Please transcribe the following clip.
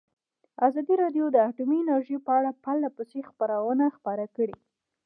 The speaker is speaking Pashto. ازادي راډیو د اټومي انرژي په اړه پرله پسې خبرونه خپاره کړي.